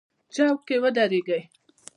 چوک کې ودرېږئ